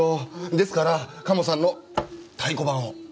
ですからカモさんの太鼓判を。